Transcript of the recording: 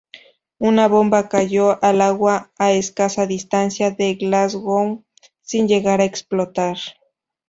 Una bomba cayó al agua a escasa distancia del "Glasgow" sin llegar a explotar.